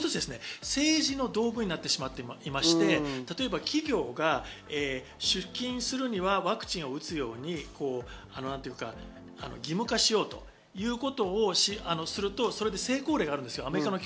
もう一つ、政治の道具になっていまして、例えば企業が出勤するにはワクチンを打つように義務化しようということをすると、それで成功例があるんです。